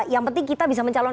yang penting kita bisa mencalonkan